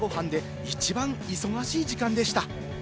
準備や朝ご飯で一番忙しい時間でした。